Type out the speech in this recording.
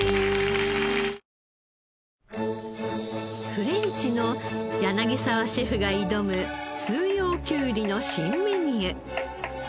フレンチの柳沢シェフが挑む四葉きゅうりの新メニュー。